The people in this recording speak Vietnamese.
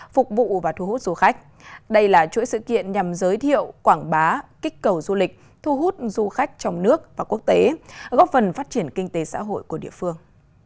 phục vụ và thu hút du khách đây là chuỗi sự kiện nhằm giới thiệu quảng bá kích cầu du lịch thu hút du khách trong nước và quốc tế góp phần phát triển kinh tế xã hội của địa phương